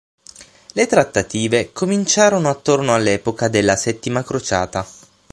Le trattative cominciarono attorno all'epoca della Settima crociata.